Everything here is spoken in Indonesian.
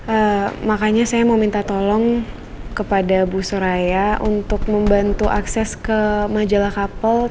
eee makanya saya mau minta tolong kepada bu suraya untuk membantu akses ke majalah kapal